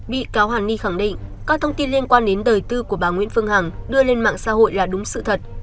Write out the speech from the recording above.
bị cáo hàn ni khẳng định các thông tin liên quan đến đời tư của bà nguyễn phương hằng đưa lên mạng xã hội là đúng sự thật